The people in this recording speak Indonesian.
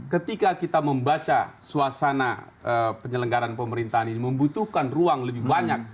ketika kita membaca suasana penyelenggaran pemerintahan ini membutuhkan ruang lebih banyak